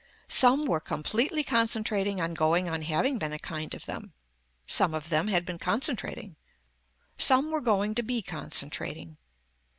Some were completely concentrating on going on having been a kind of them. Some of them had been concentrating. Some were going to be concentrating.